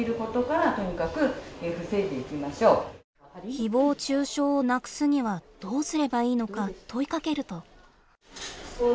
ひぼう中傷をなくすにはどうすればいいのか問いかけると。